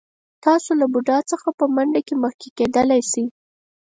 تاسو له بوډا څخه په منډه کې مخکې کېدلی شئ.